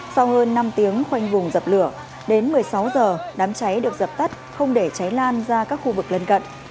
sau hơn năm tiếng khoanh vùng dập lửa đến một mươi sáu h đám cháy được dập tắt không để cháy lan ra các khu vực lân cận